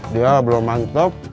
dia belum mantap